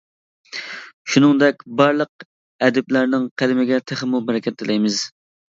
شۇنىڭدەك بارلىق ئەدىبلەرنىڭ قەلىمىگە تېخىمۇ بەرىكەت تىلەيمىز.